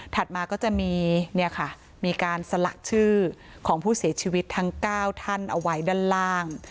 มาก็จะมีการสลักชื่อของผู้เสียชีวิตทั้ง๙ท่านเอาไว้ด้านล่าง